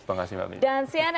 terima kasih mbak nisha